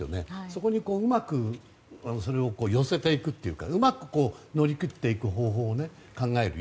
そこにうまく寄せていくというかうまく乗り切っていく方法を考える。